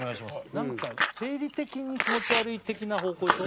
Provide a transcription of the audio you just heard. なんか生理的に気持ち悪い的な方向でしょ？